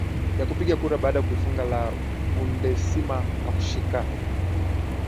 Ya kupiga kura baada ya kuifunga La Undecima na kushika